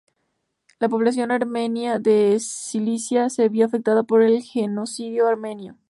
La población armenia de Cilicia se vio afectada por el genocidio armenio.